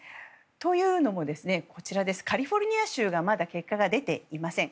というのもカリフォルニア州がまだ結果が出ていません。